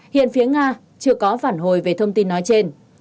hiện phía nga chưa có phản hồi về thông tin nói trên